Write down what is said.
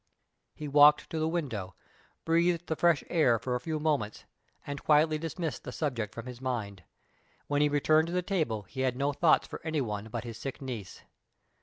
He walked to the window, breathed the fresh air for a few moments, and quietly dismissed the subject from his mind. When he returned to his table he had no thoughts for any one but his sick niece.